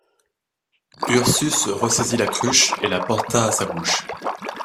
Ursus ressaisit la cruche et la porta à sa bouche.